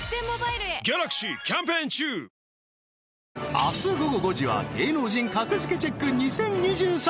明日午後５時は『芸能人格付けチェック ！２０２３』